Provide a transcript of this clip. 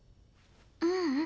ううん。